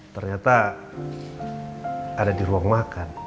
ternyata ada di ruang makan